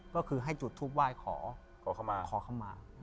ก็คือให้จุดทูพไหวขอเขามา